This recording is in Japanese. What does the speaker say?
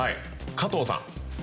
加藤さん。